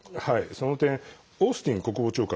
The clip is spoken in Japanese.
その点、オースティン国防長官